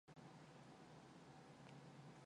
Хоёр талын ус хөөс сахарч байна.